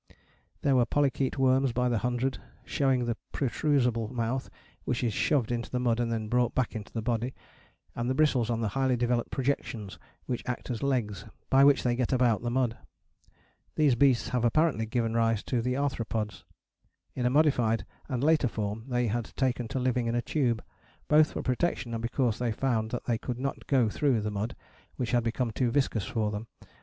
There were Polychaete worms by the hundred, showing the protrusable mouth, which is shoved into the mud and then brought back into the body, and the bristles on the highly developed projections which act as legs, by which they get about the mud. These beasts have apparently given rise to the Arthropods. In a modified and later form they had taken to living in a tube, both for protection and because they found that they could not go through the mud, which had become too viscous for them.